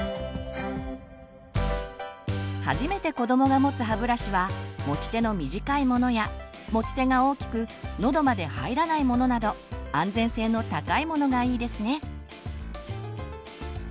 初めてこどもが持つ歯ブラシは持ち手の短いものや持ち手が大きくのどまで入らないものなど安全性の高いものがいいですね。